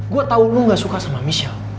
gue tau lo gak suka sama michelle